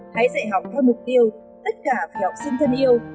hãy dạy học theo mục tiêu tất cả phải học sinh thân yêu